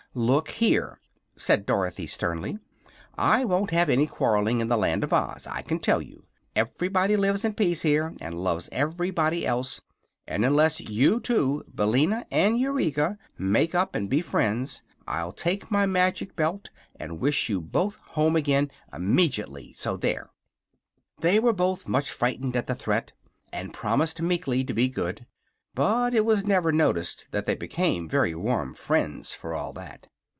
"Look here!" said Dorothy, sternly. "I won't have any quarrelling in the Land of Oz, I can tell you! Everybody lives in peace here, and loves everybody else; and unless you two, Billina and Eureka, make up and be friends, I'll take my Magic Belt and wish you both home again, immejitly. So, there!" They were both much frightened at the threat, and promised meekly to be good. But it was never noticed that they became very warm friends, for all of that.